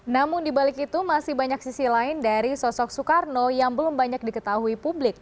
namun dibalik itu masih banyak sisi lain dari sosok soekarno yang belum banyak diketahui publik